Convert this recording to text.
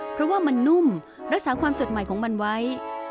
เพราะว่ามันนุ่มรักษาความสดใหม่ของมันไว้